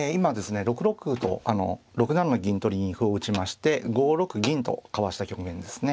６六歩と６七の銀取りに歩を打ちまして５六銀とかわした局面ですね。